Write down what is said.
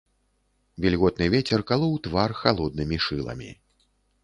Вільготны вецер калоў твар халоднымі шыламі.